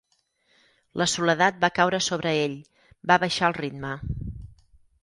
La soledat va caure sobre ell: va baixar el ritme.